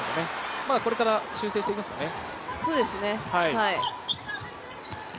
これから修正していきますかね。